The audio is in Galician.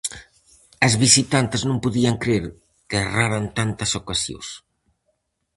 As visitantes non podían crer que erraran tantas ocasións.